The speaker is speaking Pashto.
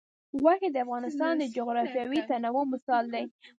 غوښې د افغانستان د جغرافیوي تنوع مثال دی.